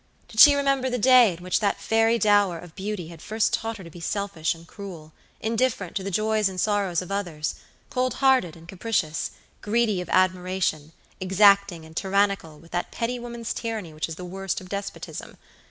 Did she remember the day in which that fairy dower of beauty had first taught her to be selfish and cruel, indifferent to the joys and sorrows of others, cold hearted and capricious, greedy of admiration, exacting and tyrannical with that petty woman's tyranny which is the worst of despotism?